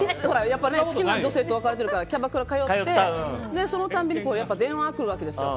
やっぱり好きな女性と別れているからキャバクラ通って、そのたびに電話が来るわけですよ。